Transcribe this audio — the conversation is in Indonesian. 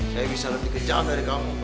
saya bisa lebih kencang dari kamu